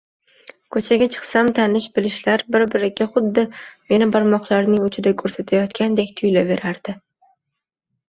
Ko`chaga chiqsam tanish-bilishlar bir-biriga xuddi meni barmoqlarining uchida ko`rsatayotgandek tuyulaverardi